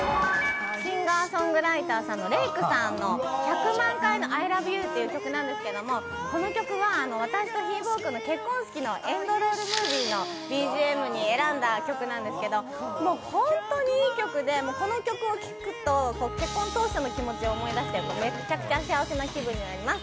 シンガーソングライターのＲａｋｅさんの「１００万回の「Ｉｌｏｖｅｙｏｕ」」という曲なんですけど結婚式のエンドロールムービーのＢＧＭに選んだ曲なんですけど、もうほんっとにいい曲で、これを聴くと結婚当時の気持ちを思いだしてめっちゃくちゃ幸せな気分になります。